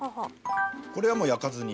これはもう焼かずに？